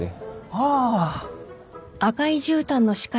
ああ。